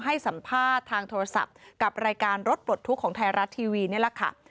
ให้สัมภาษณ์ทางโทรศัพท์กับรายการรถปลดทุกข์ของไทยรัฐทีวีนี่แหละค่ะ